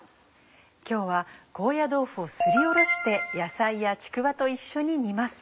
今日は高野豆腐をすりおろして野菜やちくわと一緒に煮ます。